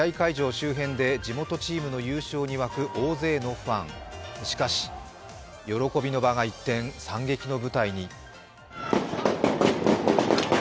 周辺で地元チームの優勝に沸く、大勢のファン、しかし喜びの場が一転、惨劇の舞台に。